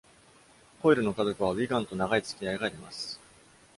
コイルの家族はウィガンと長い付き合いがあります。